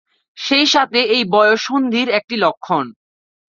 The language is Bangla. সেই সাথে এই বয়ঃসন্ধির একটি লক্ষণ।